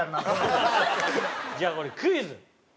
じゃあこれクイズ。